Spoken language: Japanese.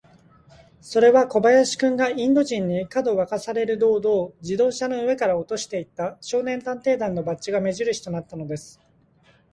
それは小林君が、インド人に、かどわかされる道々、自動車の上から落としていった、少年探偵団のバッジが目じるしとなったのです。